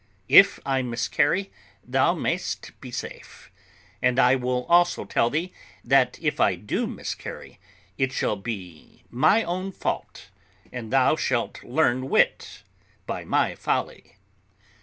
If I miscarry, thou mayest be safe; and I will also tell thee, that if I do miscarry, it shall be my own fault, and thou shalt learn wit by my folly."